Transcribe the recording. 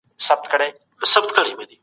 په هېواد کي د بيمې ادارو زياتوالی وموند.